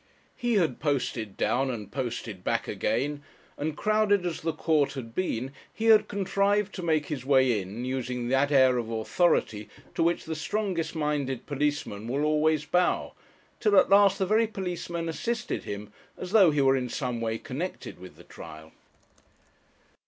He had posted down and posted back again, and, crowded as the court had been, he had contrived to make his way in, using that air of authority to which the strongest minded policeman will always bow; till at last the very policemen assisted him, as though he were in some way connected with the trial.